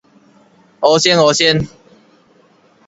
烏鉎烏鉎